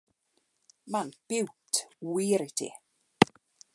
Mae'n biwt, wir i ti.